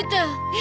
え？